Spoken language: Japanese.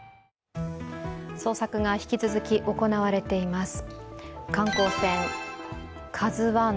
捜索が引き続き行われています。